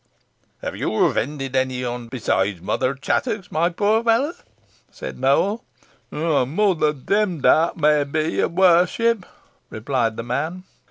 "Have you offended any one besides Mother Chattox, my poor fellow?" said Nowell. "Mother Demdike, may be, your warship," replied the man.